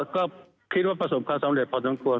ก็คิดว่าประสบความสำเร็จพอสมควร